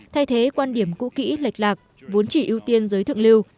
thay thế quan điểm cũ kỹ lệch lạc vốn chỉ ưu tiên giới thượng lưu